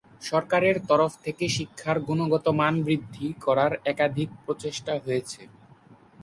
সরকারের তরফ থেকে শিক্ষার গুণগত মান বৃদ্ধি করার একাধিক প্রচেষ্টা হয়েছে।